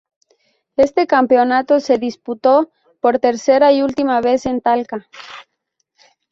Este campeonato se disputó por tercera y última vez en Talca.